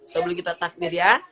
sebelum kita takbir ya